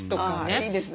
いいですね。